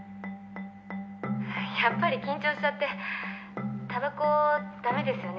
「やっぱり緊張しちゃってタバコダメですよね